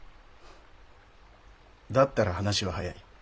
だったら話は早い。